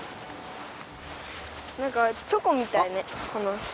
なんかチョコみたいねこの砂。